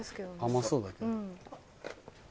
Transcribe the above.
甘そうだけど。